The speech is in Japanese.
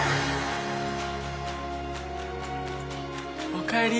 おかえり。